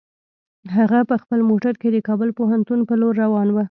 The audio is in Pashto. هغه په خپل موټر کې د کابل پوهنتون په لور روان و.